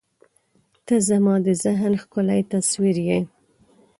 • ته زما د ذهن ښکلی تصویر یې.